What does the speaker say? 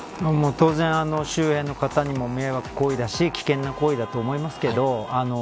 当然、周辺の方にも迷惑行為だし危険な行為だと思いますけど。